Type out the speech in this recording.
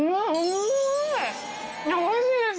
おいしいです。